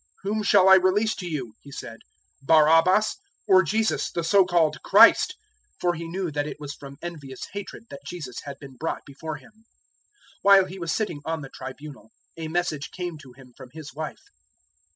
"Whom shall I release to you," he said, "Barabbas, or Jesus the so called Christ?" 027:018 For he knew that it was from envious hatred that Jesus had been brought before him. 027:019 While he was sitting on the tribunal a message came to him from his wife.